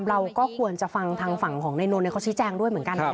เราก็ควรจะฟังทางฝั่งของนายนนท์เขาชี้แจงด้วยเหมือนกัน